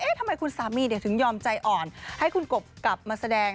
ทำไมคุณสามีถึงยอมใจอ่อนให้คุณกบกลับมาแสดง